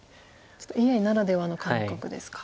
ちょっとＡＩならではの感覚ですか。